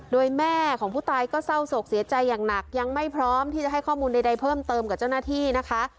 โดยแม่ของผู้ตายก็เศร้าโศกเสียใจอย่างหนักยังไม่พร้อมที่จะให้ข้อมูลใดเพิ่มเติมกับเจ้าหน้าที่นะคะ